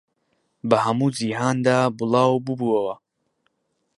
بە هەموو جیهاندا بڵاو بووبووەوە